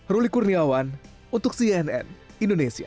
ruli kurniawan untuk cnn indonesia